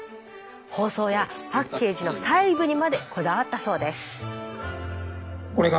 包装やパッケージの細部にまでこだわったそうです。